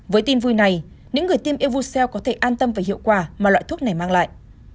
với tin vui này những người tiêm evosele có thể an tâm về hiệu quả mà loại thuốc này mang lại